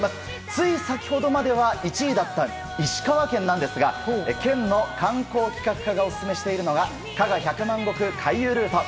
つい先ほどまでは１位だった石川県なんですが県の観光企画課がオススメしているのが加賀百万石回遊ルート。